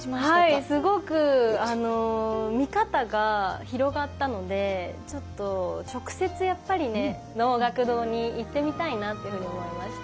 はいすごく見方が広がったのでちょっと直接やっぱりね能楽堂に行ってみたいなっていうふうに思いました。